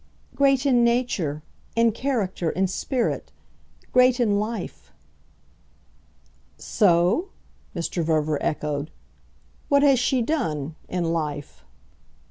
"Great in nature, in character, in spirit. Great in life." "So?" Mr. Verver echoed. "What has she done in life?"